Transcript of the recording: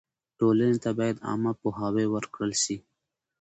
ټولنې ته باید عامه پوهاوی ورکړل سي.